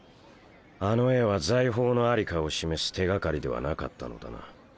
あの絵は財宝の在りかを示す手掛かりではなかったのだな。